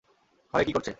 ঘরে কী করছে?